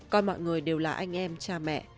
còn mọi người đều là anh em cha mẹ